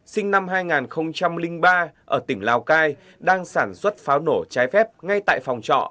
sinh năm hai nghìn ba ở tỉnh lào cai đang sản xuất pháo nổ trái phép ngay tại phòng trọ